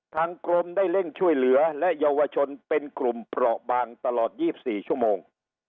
ทางกรมได้เร่งช่วยเหลือและเยาวชนเป็นกลุ่มเปราะบางตลอด๒๔ชั่วโมง